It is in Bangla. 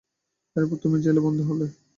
এরপর তুমি জেলে বন্দী হলে?